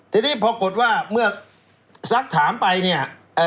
ทีนี้ปรากฏว่าเมื่อสักถามไปเนี่ย